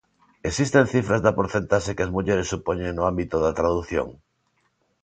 Existen cifras da porcentaxe que as mulleres supoñen no ámbito da tradución?